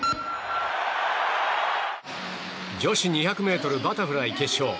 女子２００ｍバタフライ決勝。